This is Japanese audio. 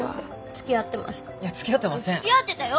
つきあってたよ！